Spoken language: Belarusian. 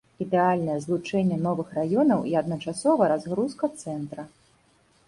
Ідэальнае злучэнне новых раёнаў і адначасова разгрузка цэнтра.